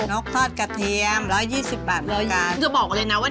มันไม่มีกางเล็กเนอะแม่น